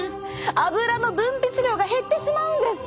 アブラの分泌量が減ってしまうんです。